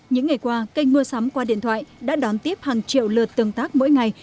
những ngày qua kênh mua sắm qua điện thoại đã đón tiếp hàng triệu lượt tương tác mỗi ngày